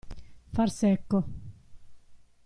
Far secco.